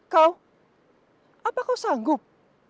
kau apa kau sanggup